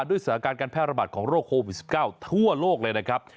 ด้วยสถานการณ์การแพร่ระบาดของโรคโควิด๑๙ทั่วโลกเลยนะครับ